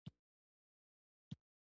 يم دې په يو لور لکه غبار روان